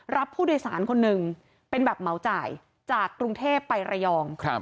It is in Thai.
รับผู้โดยสารคนหนึ่งเป็นแบบเหมาจ่ายจากกรุงเทพไประยอง